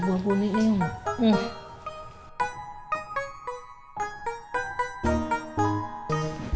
buah buni ini emang